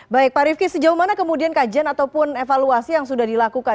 baik pak rifki sejauh mana kemudian kajian ataupun evaluasi yang sudah dilakukan